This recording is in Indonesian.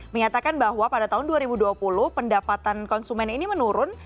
menyatakan bahwa pada tahun dua ribu dua puluh pendapatan konsumen ini menurun